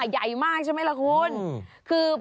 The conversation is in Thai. ใหญ่มากใช่ไหมล่ะคุณ